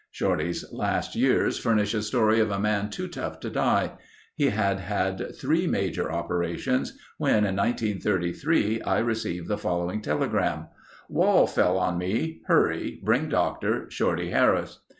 Shorty's last years furnish a story of a man too tough to die. He had had three major operations, when in 1933 I received the following telegram: "Wall fell on me. Hurry. Bring doctor. Shorty Harris."